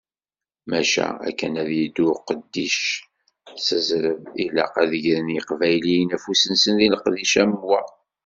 Maca, akken ad yeddu uqeddic s zzreb, ilaq ad d-gren yiqbayliyen afus-nsen deg leqdic am wa.